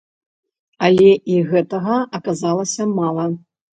Але і гэтага аказалася мала.